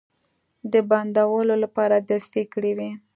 د بندولو لپاره دسیسې کړې وې.